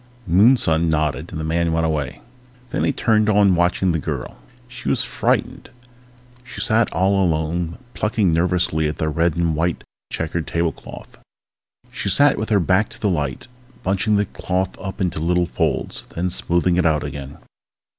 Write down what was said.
Moonson nodded and the man went away. Then he turned to watching the girl. She was frightened. She sat all alone, plucking nervously at the red and white checkered tablecloth. She sat with her back to the light, bunching the cloth up into little folds, then smoothing it out again.